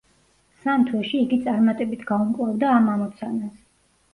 სამ თვეში იგი წარმატებით გაუმკლავდა ამ ამოცანას.